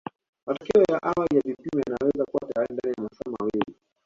Matokeo ya awali ya vipimo yanaweza kuwa tayari ndani ya masaa mawili